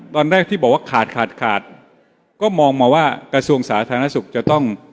ตอนแรกที่บอกว่าขาดขาดขาดก็มองมาว่ากระทรวงสาธารณสุขจะต้อง